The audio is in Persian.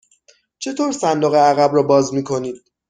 چطور صندوق عقب را باز می کنید؟